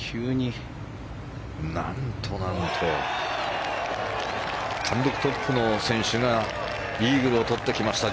何と、何と単独トップの選手がイーグルをとってきました。